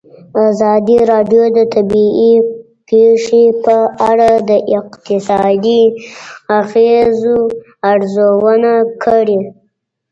ازادي راډیو د طبیعي پېښې په اړه د اقتصادي اغېزو ارزونه کړې.